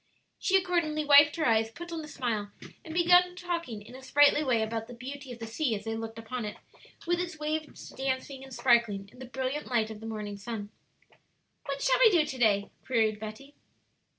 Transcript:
She accordingly wiped her eyes, put on a smile, and began talking in a sprightly way about the beauty of the sea as they looked upon it, with its waves dancing and sparkling in the brilliant light of the morning sun. "What shall we do to day?" queried Betty.